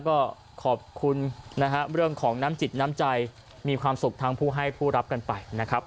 ก็ขอบคุณนะฮะเรื่องของน้ำจิตน้ำใจมีความสุขทั้งผู้ให้ผู้รับกันไปนะครับ